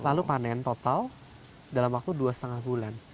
lalu panen total dalam waktu dua lima bulan